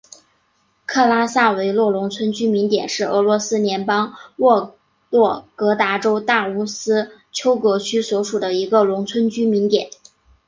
克拉萨维诺农村居民点是俄罗斯联邦沃洛格达州大乌斯秋格区所属的一个农村居民点。